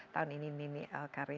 tahun ini nini alkarim